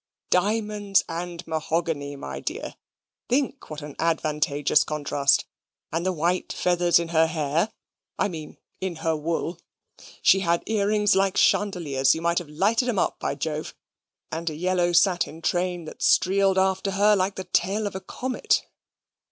Diamonds and mahogany, my dear! think what an advantageous contrast and the white feathers in her hair I mean in her wool. She had earrings like chandeliers; you might have lighted 'em up, by Jove and a yellow satin train that streeled after her like the tail of a comet."